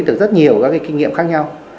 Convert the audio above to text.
được rất nhiều các kinh nghiệm khác nhau